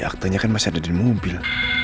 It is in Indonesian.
aktanya kan masih ada di mobil